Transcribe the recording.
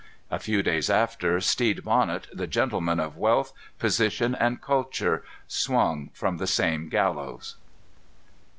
A few days after, Stede Bonnet, the gentleman of wealth, position, and culture, swung from the same gallows.